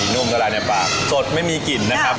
นุ่มกระดาษปลาสดไม่มีกลิ่นนะครับ